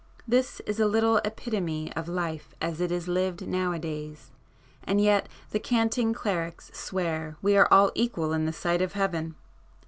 This is a little epitome of life as it is lived now a days,—and yet the canting clerics swear we are all equal in the sight of heaven!